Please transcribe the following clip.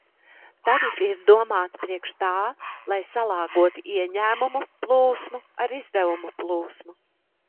Tarifi ir domāti priekš tā, lai salāgotu ieņēmumu plūsmu ar izdevumu plūsmu.